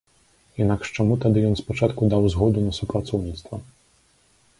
Інакш чаму тады ён спачатку даў згоду на супрацоўніцтва?